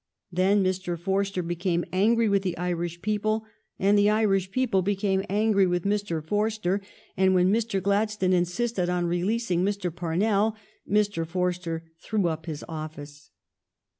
Then Mr. Forster became angry with the Irish people, and the Irish people became angry with Mn Forster, and when Mr. Gladstone insisted on releasing Mr. Parnell, Mr. Forster threw up his office.